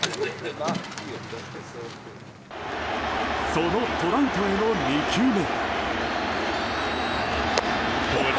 そのトラウトへの２球目。